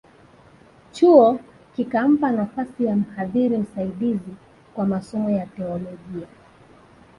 Chuo kikampa nafasi ya mhadhiri msaidizi kwa masomo ya Teolojia